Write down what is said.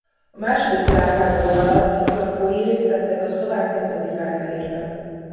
A második világháború alatt lakói részt vettek a szlovák nemzeti felkelésben.